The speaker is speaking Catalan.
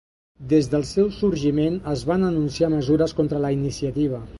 Des del seu sorgiment es van anunciar mesures contra la iniciativa.